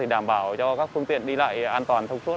đảm bảo cho các phương tiện đi lại an toàn thông suốt